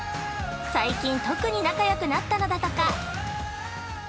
最近、特に仲よくなったのだとか。